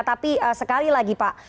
jadi sekali lagi pak